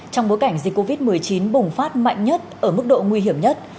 trong bối cảnh dịch covid một mươi chín bùng phát mạnh nhất ở mức độ nguy hiểm nhất